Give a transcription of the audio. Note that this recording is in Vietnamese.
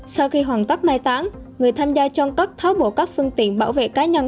sau khi hoàn tất mai tán người tham gia chôn cất tháo bộ các phương tiện bảo vệ cá nhân